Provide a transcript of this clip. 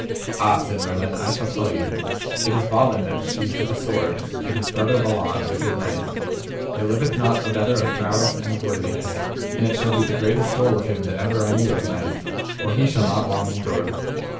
Ah, said Merlin, I shall tell you: it is Balin that achieved the sword, and his brother Balan, a good knight, there liveth not a better of prowess and of worthiness, and it shall be the greatest dole of him that ever I knew of knight, for he shall not long endure.